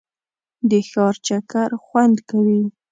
د ښار چکر خوند کوي.